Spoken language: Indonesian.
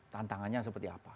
tantangannya seperti apa